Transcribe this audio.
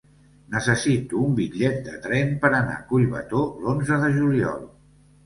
Necessito un bitllet de tren per anar a Collbató l'onze de juliol.